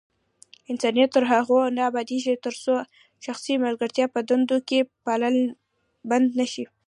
افغانستان تر هغو نه ابادیږي، ترڅو شخصي ملګرتیا په دندو کې پالل بند نشي.